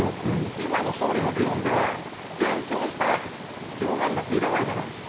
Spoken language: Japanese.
今の総理の議論では、延長した上限なんていらないじゃないですか。